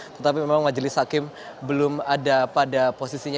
tetapi memang majelis hakim belum ada pada posisinya